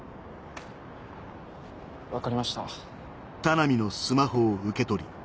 分かりました。